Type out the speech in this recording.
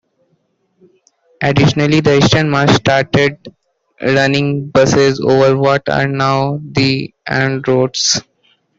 Additionally the Eastern Mass started running buses over what are now the and routes.